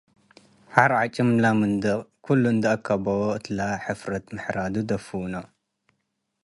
ሐር ለዓጭም ለምንድቅ ክሉ እንዴ አከበዎ እትለ ሕፍረት ምሕራዱ ደፉኖ ።